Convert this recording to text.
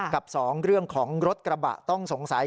กับ๒เรื่องของรถกระบะต้องสงสัย